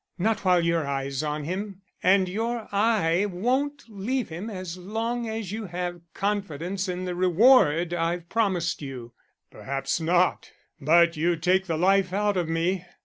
"Not while your eye's on him. And your eye won't leave him as long as you have confidence in the reward I've promised you." "Perhaps not; but you take the life out of me.